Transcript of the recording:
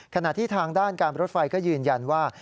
ขณะที่ทางด้านการรถไฟก็ยืนยันว่า